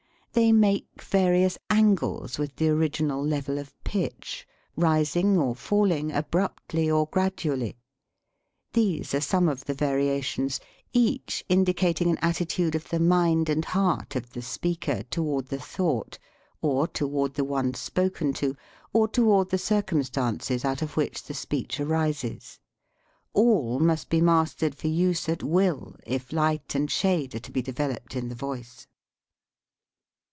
They make various angles with the original level of pitch, rising or falling abruptly or gradually. These are some of the variations, each indicating an attitude of the mind and heart of the speaker toward the thought, or toward the one spoken to, or toward the circumstances out of which the 56 STUDY IN INFLECTION speech arises. All must be mastered for use at will if light and shade are to be developed in the voice.